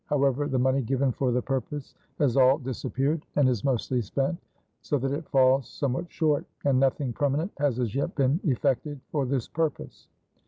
However the money given for the purpose has all disappeared and is mostly spent, so that it falls somewhat short; and nothing permanent has as yet been effected for this purpose."